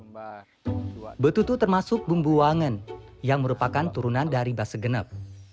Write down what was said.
betutu termasuk bumbu wangen yang merupakan turunan dari base genep